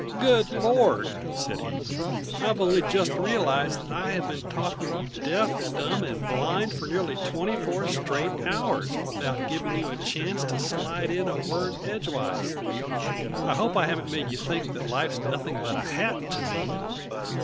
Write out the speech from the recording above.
"Good Lord!" said he. "I've only just realized that I have been talking you deaf, dumb, and blind for nearly twenty four straight hours, without giving you a chance to slide in a word edge wise. I hope I haven't made you think life's nothing but a hat to me?"